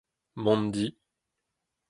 mont di